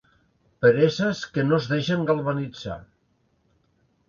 Pereses que no es deixen galvanitzar.